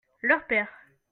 leur père.